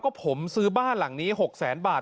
ก็ผมซื้อบ้านหลังนี้๖แสนบาท